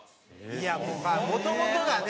いやもともとがね。